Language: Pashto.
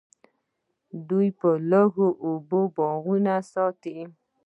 دوی په لږو اوبو باغونه ساتي.